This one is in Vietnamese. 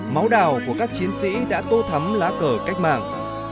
máu đào của các chiến sĩ đã tô thắm lá cờ cách mạng